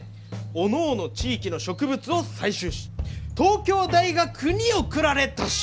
地域の植物を採集し東京大学に送られたし！」。